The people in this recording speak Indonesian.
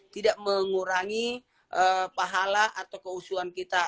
tidak mengurangi pahala atau keusuhan kita